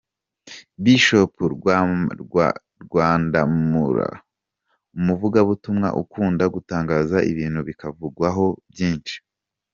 Bishop Rwandamura; umuvugabutumwa ukunda gutangaza ibintu bikavugwaho byinshi.